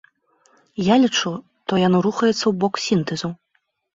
Я лічу, то яно рухаецца ў бок сінтэзу.